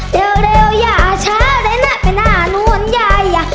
เร็วเร็วอย่าช้าได้น่ะเป็นอ่านวนอย่าอย่า